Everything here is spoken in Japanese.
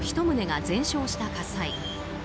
１棟が全焼した火災。